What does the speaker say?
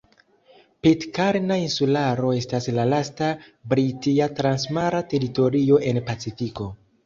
Pitkarna Insularo estas la lasta britia transmara teritorio en Pacifiko.